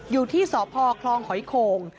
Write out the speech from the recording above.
อยู่ที่สพคลองหอยโข่ง